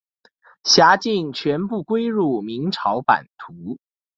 辖境全部归入明朝版图。